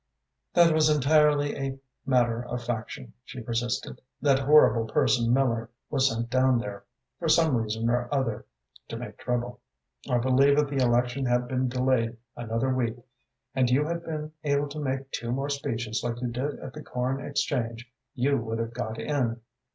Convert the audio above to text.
"That was entirely a matter of faction," she persisted. "That horrible person Miller was sent down there, for some reason or other, to make trouble. I believe if the election had been delayed another week, and you had been able to make two more speeches like you did at the Corn Exchange, you would have got in."